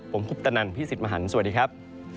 ผมคุปตะนันพี่สิทธิ์มหันฯสวัสดีครับ